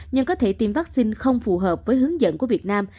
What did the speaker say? nhưng có thể tiêm vaccine không phù hợp với hướng dẫn của việt nam